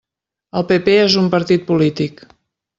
El PP és un partit polític.